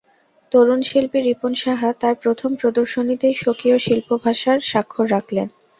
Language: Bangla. তরুণ শিল্পী রিপন সাহা তাঁর প্রথম প্রদর্শনীতেই স্বকীয় শিল্পভাষার স্বাক্ষর রাখলেন।